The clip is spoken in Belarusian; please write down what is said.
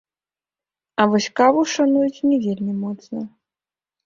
А вось каву шануюць не вельмі моцна.